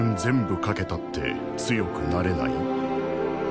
懸けたって強くなれない”？